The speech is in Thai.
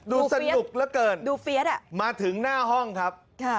ดูสนุกเหลือเกินดูเฟียสมาถึงหน้าห้องครับ